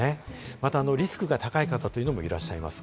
またリスクが高い方という方もいらっしゃいます。